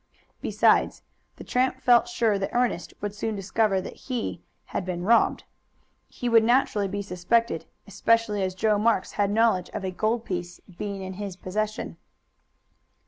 Besides, the tramp felt sure that Ernest would soon discover that he had been robbed. He would naturally be suspected, especially as Joe Marks had knowledge of a gold piece being in his possession.